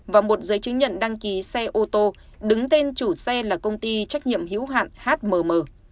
và một giấy chứng nhận đăng ký xe ô tô đứng tên chủ xe là công ty trách nhiệm hữu hạn hmm